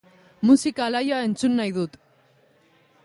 Musika alaia entzun nahi dut